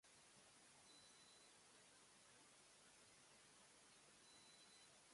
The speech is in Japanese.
加藤純一最強！加藤純一最強！